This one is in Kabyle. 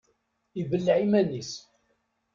Ibelleɛ iman-is.